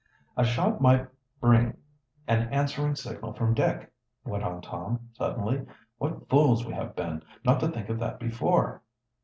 "A shot might bring an answering signal from Dick," went on Tom suddenly. "What fools we have been, not to think of that before!"